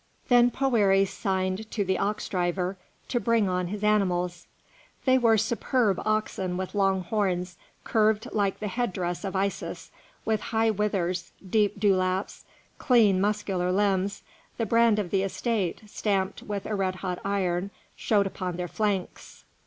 Then Poëri signed to the ox driver to bring on his animals. They were superb oxen with long horns, curved like the head dress of Isis, with high withers, deep dewlaps, clean, muscular limbs; the brand of the estate, stamped with a red hot iron, showed upon their flanks.